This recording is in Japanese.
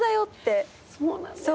そうなんだよね。